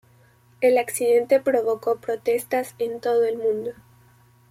El accidente provocó protestas en todo el mundo.